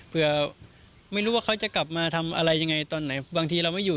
ไม่รู้ว่าเขาจะกลับมาทำอะไรยังไงตอนไหนบางทีเราไม่อยู่